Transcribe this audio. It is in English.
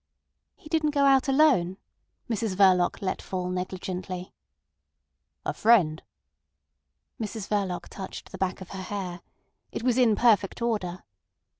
"He didn't go out alone," Mrs Verloc let fall negligently. "A friend?" Mrs Verloc touched the back of her hair. It was in perfect order.